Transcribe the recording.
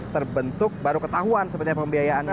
terbentuk baru ketahuan sebenarnya pembiayaannya